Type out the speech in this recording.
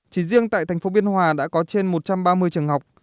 chỉ riêng tại thành phố biên hòa đã có trên một trăm ba mươi trường học